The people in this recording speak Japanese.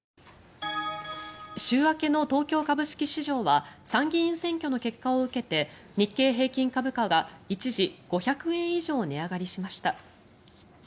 週明けの東京株式市場は参議院選挙の結果を受けて日経平均株価が一時５００円以上値上がりしました。